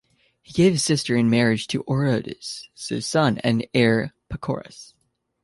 He gave his sister in marriage to Orodes' son and heir Pacorus.